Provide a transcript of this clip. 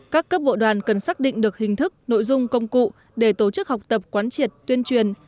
các cấp bộ đoàn cần xác định được hình thức nội dung công cụ để tổ chức học tập quán triệt tuyên truyền